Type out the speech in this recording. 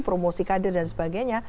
promosi kader dan sebagainya